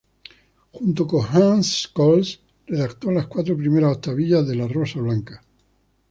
Junto con Hans Scholl, redactó las cuatro primeras octavillas de la Rosa Blanca.